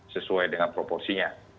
sesuai dengan proporsinya